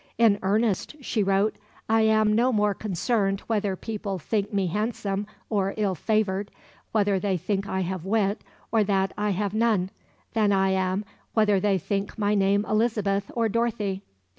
"In earnest," she wrote, "I am no more concerned whether people think me handsome or ill favoured, whether they think I have wit or that I have none, than I am whether they think my name Elizabeth or Dorothy."